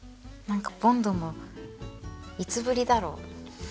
何かボンドもいつぶりだろう。